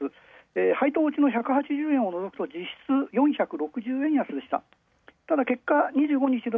配当うちの１８０円を除くと実質４６０円安でした。